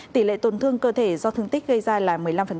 tỷ lệ tổn thương cơ thể do thương tích gây ra là một mươi năm